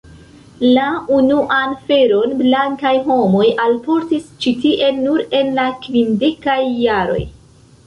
La unuan feron blankaj homoj alportis ĉi tien nur en la kvindekaj jaroj.